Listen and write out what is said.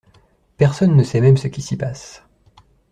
Personne ne sait même ce qui s’y passe.